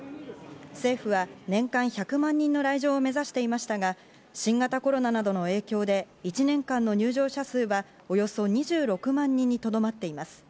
政府は年間１００万人の来場を目指していましたが、新型コロナなどの影響で１年間の入場者数はおよそ２６万人にとどまっています。